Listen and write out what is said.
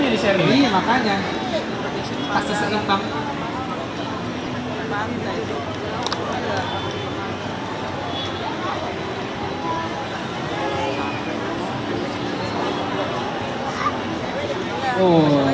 di share di makanya